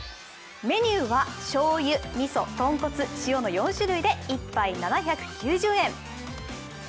メニューはしょうゆ、みそ、豚骨、塩の５種類で、１杯７９０円。